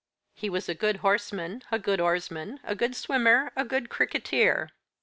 He was a good horseman, a good oarsman, a good swimmer, a good cricketer.